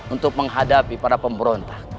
untuk menghadapi para pemberontak